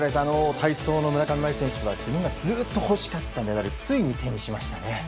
体操の村上茉愛選手は日本がずっと欲しかったメダルついに手にしましたね。